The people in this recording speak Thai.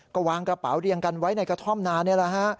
ก็วางกระเป๋าเรียงกันไว้ในกระท่อมนานนี่แหละฮะ